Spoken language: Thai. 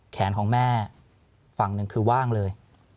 แขนของแม่ฝั่งหนึ่งคือว่างเลย